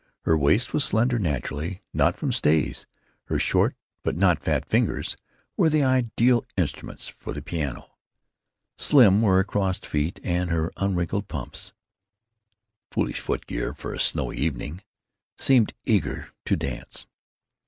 Her waist was slender naturally, not from stays. Her short but not fat fingers were the ideal instruments for the piano. Slim were her crossed feet, and her unwrinkled pumps (foolish footgear for a snowy evening) seemed eager to dance.